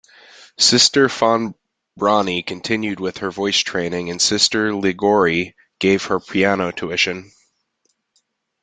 Sister Febronie continued with her voice training and Sister Liguori gave her piano tuition.